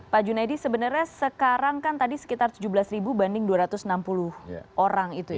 pak junaidi sebenarnya sekarang kan tadi sekitar tujuh belas ribu banding dua ratus enam puluh orang itu ya